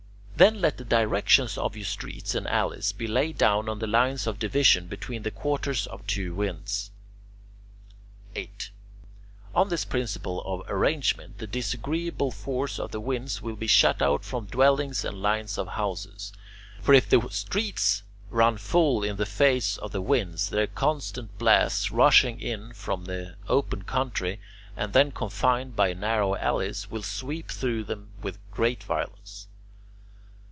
Then let the directions of your streets and alleys be laid down on the lines of division between the quarters of two winds. 8. On this principle of arrangement the disagreeable force of the winds will be shut out from dwellings and lines of houses. For if the streets run full in the face of the winds, their constant blasts rushing in from the open country, and then confined by narrow alleys, will sweep through them with great violence.